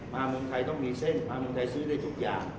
เมืองไทยต้องมีเส้นมาเมืองไทยซื้อได้ทุกอย่าง